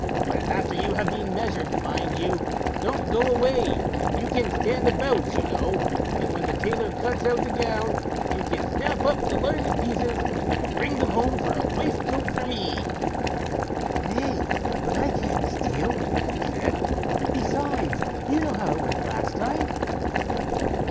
But after you have been measured, mind you don't go away; you can stand about, you know, and when the tailor cuts out the gown, you can snap up the largest pieces, and bring them home for a waistcoat for me." "Nay, but I can't steal", she said; "besides, you know how it went last time."